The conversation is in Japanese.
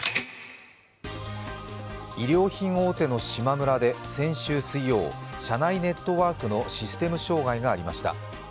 衣料品大手のしまむらで先週水曜社内ネットワークのシステム障害がありました。